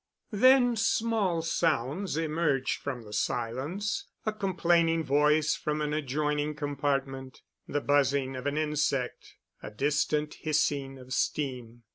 Then small sounds emerged from the silence, a complaining voice from an adjoining compartment, the buzzing of an insect, a distant hissing of steam.